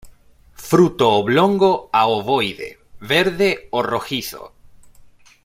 Fruto oblongo a ovoide, verde o rojizo.